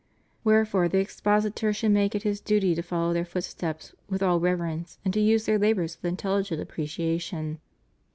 Wherefore the expositor should make it his duty to follow their footsteps with all rever ence, and to use their labors with intelUgent appreciatioa.